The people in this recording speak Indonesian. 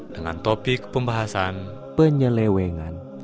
dengan topik pembahasan penyelewengan